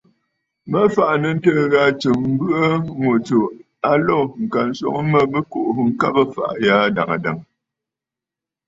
Mə fàʼà nɨ̂ ǹtɨɨ̀ ghâ tsɨm, mbɨ̀ʼɨ̀ ŋù tsù a lǒ ŋka swoŋ mə bɨ kuʼusə ŋkabə̀ ɨfàʼà ghaa adàŋə̀ dàŋə̀.